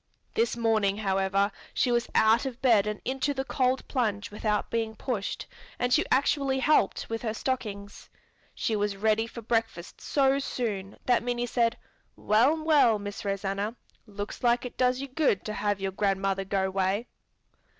This morning, however, she was out of bed and into the cold plunge without being pushed and she actually helped with her stockings. She was ready for breakfast so soon that Minnie said, "Well, well, Miss Rosanna, looks like it does you good to have your grandmother go 'way!"